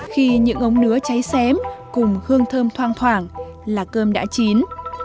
khi những ống nứa cháy xém cùng hương thơm thoang thoảng là cơm đã chín